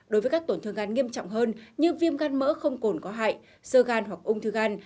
đối với các tổn thương gan nghiêm trọng hơn như viêm gan mỡ không cồn có hại sơ gan hoặc ung thư gan